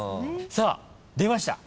さあ出ました。